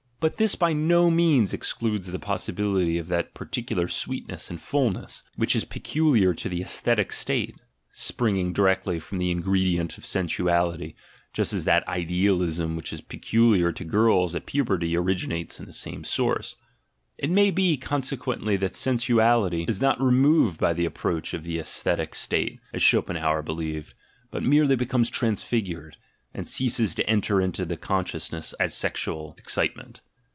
But this by no means excludes the possibility of that particular sweet ness and fulness, which is peculiar to the aesthetic state, H4 THE GENEALOGY OF MORALS springing directly from the ingredient of sensuality (just as that "idealism" which is peculiar to girls at puberty originates in the same source) — it may be, consequently, that sensuality is not removed by the approach of the aesthetic state, as Schopenhauer believed, but merely be comes transfigured, and ceases to enter into the conscious ness as sexual excitement.